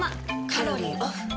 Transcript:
カロリーオフ。